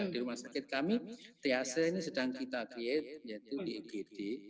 di rumah sakit kami tac ini sedang kita update yaitu di igd